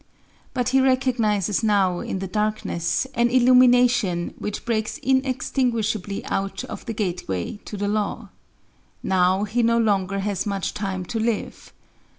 But he recognizes now in the darkness an illumination which breaks inextinguishably out of the gateway to the law. Now he no longer has much time to live.